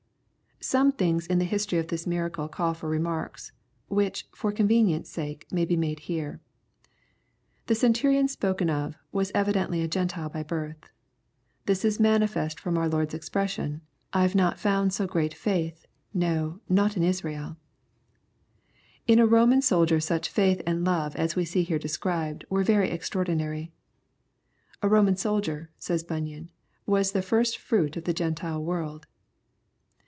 Some things in the history of this miracle call for remarks, which, for convenience sake, may be made here. The Centurion spoken of, was evidently a Gentile by birth. This is manifest from our Lord's expression, " I have not found bo great faith, no, not in Israel" In a Roman soldier such fiiith and love as we see here described* were very extraordinary. " A Roman soldier," says Bunyan, " was the first fruit of the Q entile world."